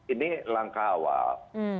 ini langkah awal